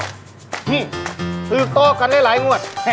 นี่ซื้อโต๊ะกันได้หลายงวด